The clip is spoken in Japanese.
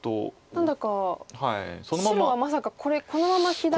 何だか白はまさかこれこのまま左下を。